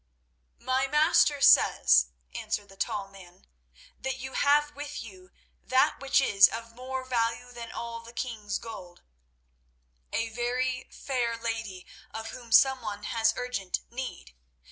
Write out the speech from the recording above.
"My master says," answered the tall man, "that you have with you that which is of more value than all the king's gold—a very fair lady, of whom someone has urgent need.